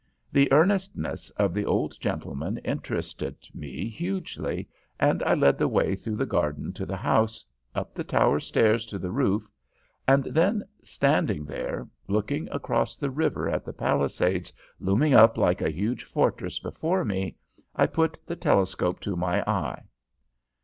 "The earnestness of the old gentleman interested me hugely, and I led the way through the garden to the house, up the tower stairs to the roof, and then standing there, looking across the river at the Palisades looming up like a huge fortress before me, I put the telescope to my eye.